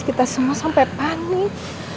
kita semua sampai panik